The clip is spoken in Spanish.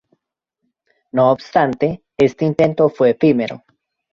No obstante, este intento fue efímero.